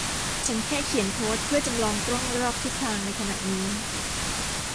ฉันแค่เขียนโค้ดเพื่อจำลองกล้องรอบทิศทางในขณะนี้